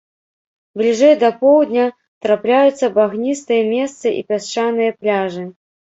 Бліжэй да поўдня трапляюцца багністыя месцы і пясчаныя пляжы.